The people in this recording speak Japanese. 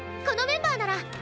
このメンバーなら！